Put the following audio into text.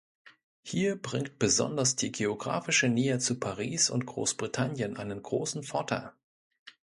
Hier bringt besonders die geographische Nähe zu Paris und Großbritannien einen großen Vorteil.